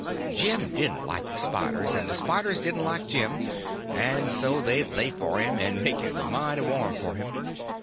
Jim didn't like the spiders, and the spiders didn't like Jim; and so they'd lay for him, and make it mighty warm for him.